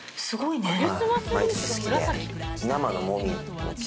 すごいね。